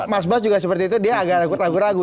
mas bas juga seperti itu dia agak ragu ragu